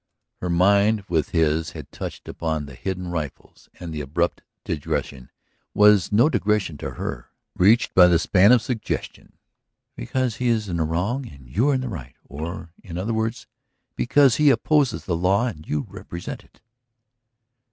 Her mind with his had touched upon the hidden rifles, and the abrupt digression was no digression to her, reached by the span of suggestion. "Because he is in the wrong and you are in the right; or, in other words, because he opposes the law and you represent it."